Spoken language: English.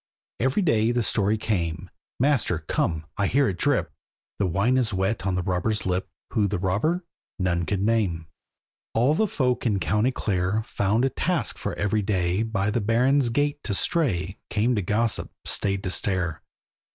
Every day the story came, "Master, come! I hear it drip!" The wine is wet on the robber's lip, Who the robber, none could name. All the folk in County Clare Found a task for every day By the Baron's gate to stray, Came to gossip, stayed to stare.